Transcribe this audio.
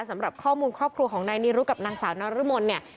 สำหรับข้อมูลครอบครัวของนายนิรุธกับนางสาวนรมนเนี่ย